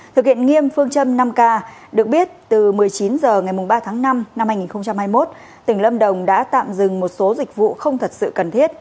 thực hiện nghiêm phương châm năm k được biết từ một mươi chín h ngày ba tháng năm năm hai nghìn hai mươi một tỉnh lâm đồng đã tạm dừng một số dịch vụ không thật sự cần thiết